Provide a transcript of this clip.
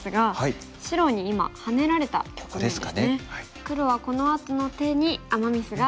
黒はこのあとの手にアマ・ミスがあったようです。